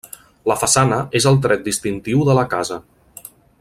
La façana és el tret distintiu de la casa.